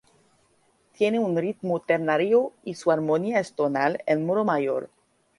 Tiene un ritmo ternario y su armonía es tonal, en modo mayor.